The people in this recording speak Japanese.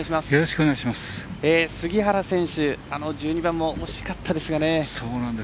杉原選手、１２番も惜しかったですがね。